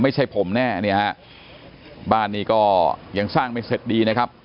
ไม่ใช่ผมแน่เนี่ยฮะบ้านนี้ก็ยังสร้างไม่เสร็จดีนะครับ